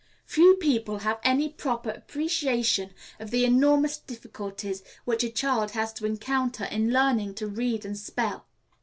Few people have any proper appreciation of the enormous difficulties which a child has to encounter in learning to read and spell.